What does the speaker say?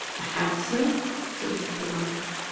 "A hat, sir?" suggested the guard.